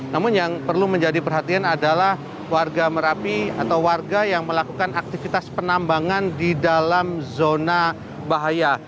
namun yang perlu menjadi perhatian adalah warga merapi atau warga yang melakukan aktivitas penambangan di dalam zona bahaya